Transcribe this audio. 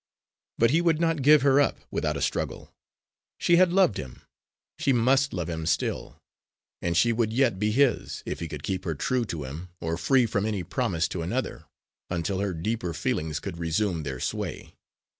But he would not give her up without a struggle. She had loved him; she must love him still; and she would yet be his, if he could keep her true to him or free from any promise to another, until her deeper feelings could resume their sway.